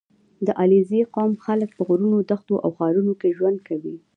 • د علیزي قوم خلک په غرونو، دښتو او ښارونو کې ژوند کوي.